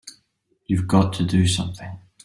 You've got to do something!